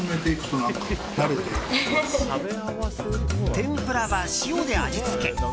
天ぷらは塩で味付け。